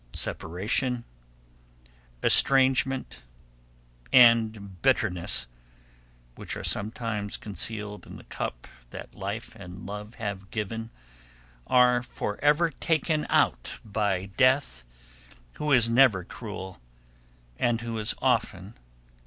Separation, estrangement, and bitterness, which are sometimes concealed in the cup that Life and Love have given, are forever taken out by Death, who is never cruel and who is often kind.